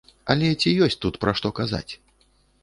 Але ці ёсць тут пра што казаць?